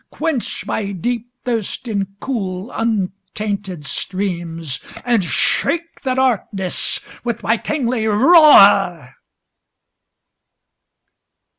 Quench my deep thirst in cool, untainted streams. And shake the darkness with my kingly roar!